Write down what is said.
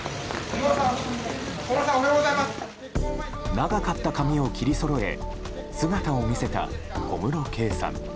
長かった髪を切りそろえ姿を見せた、小室圭さん。